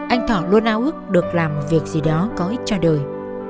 anh thọ luôn áo ước được làm việc gì đó có ích cho đời